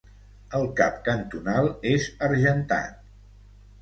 El cap cantonal és Argentat.